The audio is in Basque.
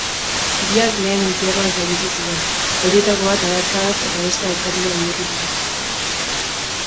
Biak lehen entzierroan zauritu ziren, horietako bat adarkadaz eta bestea orkatila bihurrituta.